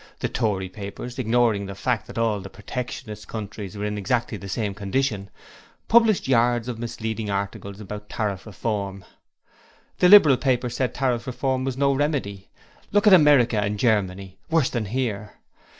The Tory papers ignoring the fact that all the Protectionist countries were in exactly the same condition, published yards of misleading articles about Tariff Reform. The Liberal papers said Tariff Reform was no remedy. Look at America and Germany worse than here!